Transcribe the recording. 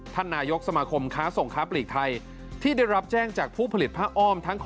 ท่านนายกสมาคมค้าส่งค้าปลีกไทยที่ได้รับแจ้งจากผู้ผลิตผ้าอ้อม